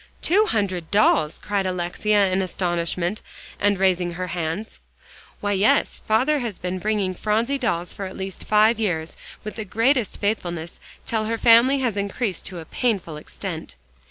"Two hundred dolls!" cried Alexia in astonishment, and raising her hands. "Why, yes; father has been bringing Phronsie dolls for the last five years, with the greatest faithfulness, till her family has increased to a painful extent."